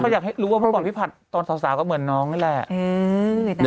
เขาอยากให้รู้ว่าพี่ผัดตอนสาวก็เหมือนน้องนี่แหละ